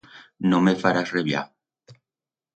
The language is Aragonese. No me farás reblar.